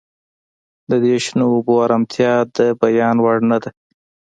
د دې شنو اوبو ارامتیا د بیان وړ نه ده